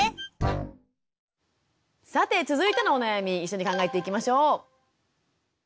さて続いてのお悩み一緒に考えていきましょう。